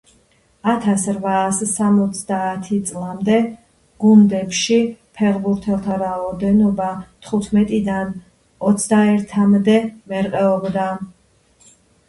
ათას რვაას სამოცდაათი წლამდე გუნდებში ფეხბურთელთა რაოდენობა თხუთმეტიდან- დან ოცდაერთი-მდე მერყეობდა.